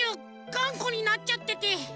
がんこになっちゃってて。